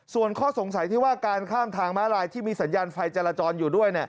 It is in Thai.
ส่วนข้อสงสัยที่ว่าการข้ามทางม้าลายที่มีสัญญาณไฟจรจรอยู่ด้วย